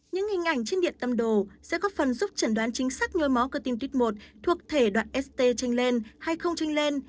những hình ảnh trên điện tâm đồ sẽ có phần giúp chẩn đoán chính xác nhồi máu cơ tim một thuộc thể đoạn st chanh lên hay không trinh lên